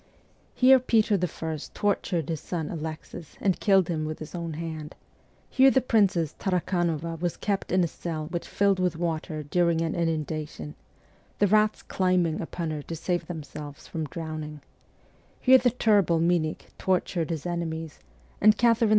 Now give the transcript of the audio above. Here Peter I. tortured his son Alexis and killed him with his own hand ; here the Princess Tarakdnova was kept in a cell which filled with water during an in undation the rats climbing upon her to save them selves from drowning ; here the terrible Minich tortured his enemies, and Catherine II.